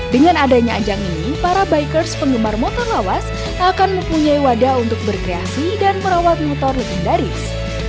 dengan adanya ajang ini para bikers penggemar motor lawas akan mempunyai wadah untuk berkreasi dan merawat motor legendaris